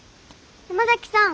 山崎さん。